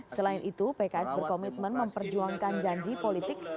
selain itu pks berkomitmen memperjuangkan janji politik